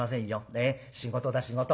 ねえ仕事だ仕事。